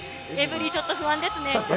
エブリィ、ちょっと不安ですね。